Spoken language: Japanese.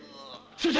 先生！